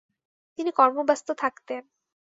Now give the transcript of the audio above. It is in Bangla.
তিনি কর্মব্যস্ত থাকতেন ।